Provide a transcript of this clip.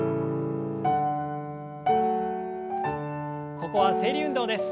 ここは整理運動です。